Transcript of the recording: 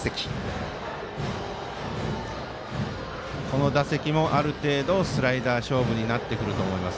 この打席もある程度スライダー勝負になってくると思います。